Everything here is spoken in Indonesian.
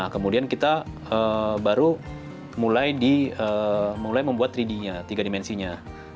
kemudian kita baru mulai membuat tiga d nya tiga dimensinya